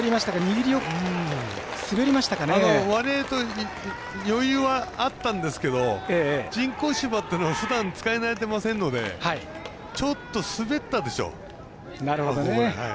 割合と余裕はあったんですけど人工芝っていうのは、ふだん使い慣れていませんのでちょっと滑ったでしょう。